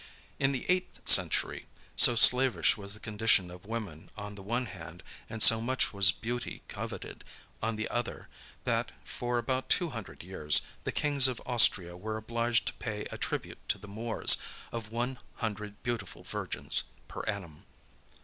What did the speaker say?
In the eighth century, so slavish was the condition of women on the one hand, and so much was beauty coveted on the other, that, for about two hundred years, the kings of Austria were obliged to pay a tribute to the Moors, of one hundred beautiful virgins per annum.